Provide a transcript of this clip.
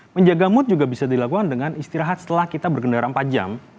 menjaga mood juga bisa dilakukan dengan istirahat setelah kita bergendara empat jam